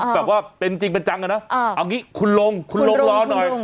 แบบว่าเป็นจริงเป็นจังอะนะเอางี้คุณลงคุณลงรอหน่อย